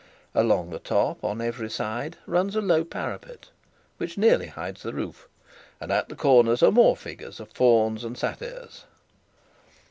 Along the top, on every side, runs a low parapet, which nearly hides the roof, and at the corners are more figures of fawns and satyrs.